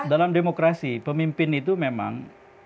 dalam demokrasi pemimpin itu memang